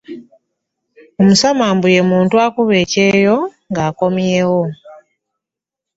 Omusama mbu ye muntu akuba ekyeyo ng'akomyewo.